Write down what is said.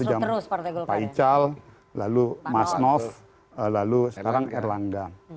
ada waktu itu jam pak pahical lalu mas nof lalu sekarang erlangga